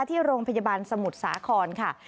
ที่โรงพยาบาลสมุทรสาครค่ะ